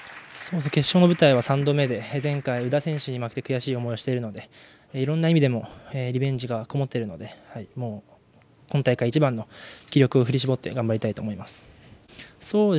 決勝の舞台は３回目で前回、宇田選手に負けて悔しい思いをしているのでいろんな思いでリベンジもこもっているのでもう今大会一番の気力を振り絞って頑張りたいと思います。